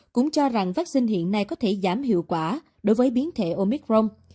cũng cho rằng vaccine hiện nay có thể giảm hiệu quả đối với biến thể omicron